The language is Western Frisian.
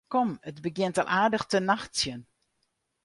Kom, it begjint al aardich te nachtsjen.